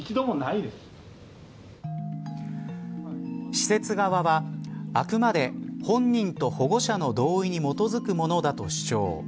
施設側はあくまで本人と保護者の同意に基づくものだと主張。